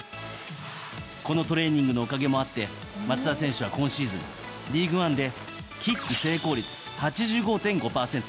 このトレーニングのおかげもあって松田選手は、今シーズンリーグワンでキック成功率８５．５％。